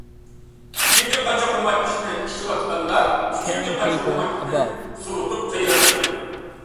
ئىككىنچى قاچا ئۇماچنى ئىچىۋاتقاندا، ئۈچىنچى قاچا ئۇماچنى سوۋۇتۇپ تەييارلايدىكەن.